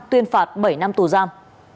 tuyên phạt bảy năm tù giam